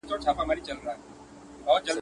چي د بڼو پر څوکه ژوند کي دي پخلا ووینم.